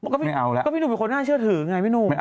ก็พี่หนุ่มเป็นคนน่าเชื่อถือไงพี่หนุ่ม